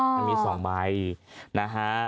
มันมี๒ใบนะฮะ